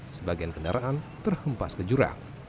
sebagian kendaraan terhempas ke jurang